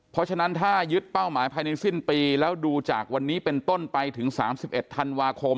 เพราะฉะนั้นถ้ายึดเป้าหมายภายในสิ้นปีแล้วดูจากวันนี้เป็นต้นไปถึง๓๑ธันวาคม